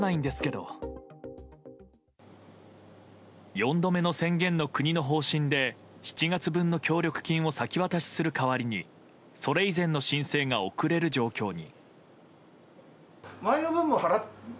４度目の宣言の国の方針で７月分の協力金を先渡しする代わりにそれ以前の申請が遅れる状況に。